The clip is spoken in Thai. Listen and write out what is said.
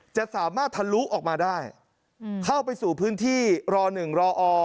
จะสามารถทะลุออกมาได้เข้าไปสู่พื้นที่ร๑รอ